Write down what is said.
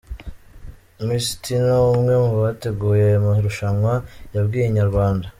Mc Tino umwe mu bateguye aya marushanwa yabwiye Inyarwanda.